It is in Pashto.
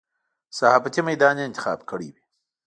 صحافتي میدان یې انتخاب کړی وي.